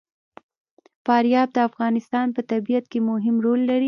فاریاب د افغانستان په طبیعت کې مهم رول لري.